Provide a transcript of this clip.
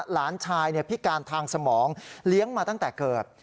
หลานชายพิการทางสมองเลี้ยงมาตั้งแต่เกิด